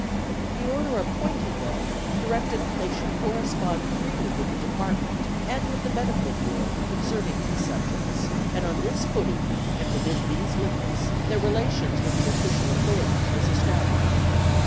The order appointing them directed that they should correspond freely with the department and with the Medical Bureau concerning these subjects, and on this footing and within these limits their relations with the official authorities were established.